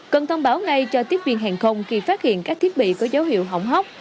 cần thông báo ngay cho tiếp viên hàng không khi phát hiện các thiết bị có dấu hiệu hỏng hóc